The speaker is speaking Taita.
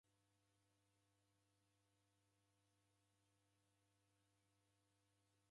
Shekeria ni kii? Kwaki nighoragha huw'o?